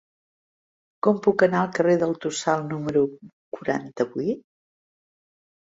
Com puc anar al carrer del Tossal número quaranta-vuit?